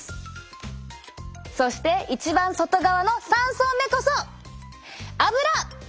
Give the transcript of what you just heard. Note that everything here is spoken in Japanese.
そして一番外側の３層目こそアブラ！